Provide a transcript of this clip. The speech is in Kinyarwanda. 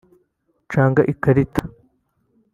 Canga ikarita